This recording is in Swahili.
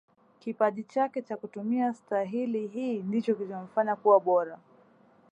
kipaji chake cha kutumia stahili hii ndicho kilichomfanya kuwa bora